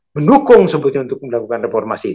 mendukung sebetulnya untuk melakukan reformasi